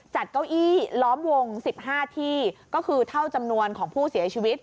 เก้าอี้ล้อมวง๑๕ที่ก็คือเท่าจำนวนของผู้เสียชีวิต